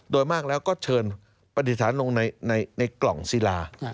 โดยมากแล้วก็เชิญปฏิสถานลงในกล่องศิลา